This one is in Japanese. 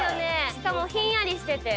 しかもひんやりしてて。